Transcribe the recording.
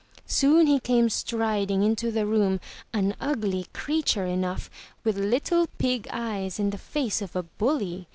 Soon he came striding into the room, an ugly creature enough, with little pig eyes and the face of a bully.